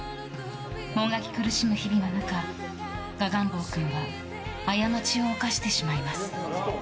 もがき苦しむ日々の中我蛾ん坊君は過ちを犯してしまいます。